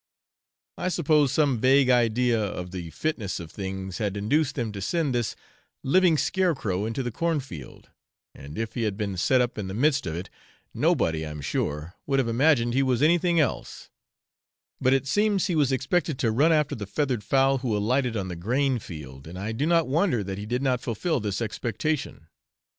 I suppose some vague idea of the fitness of things had induced them to send this living scarecrow into the cornfield, and if he had been set up in the midst of it, nobody, I am sure, would have imagined he was anything else; but it seems he was expected to run after the feathered fowl who alighted on the grain field, and I do not wonder that he did not fulfil this expectation.